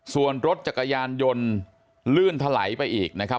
ส่วนรถจักรยานยนต์ลื่นไถลไปอีก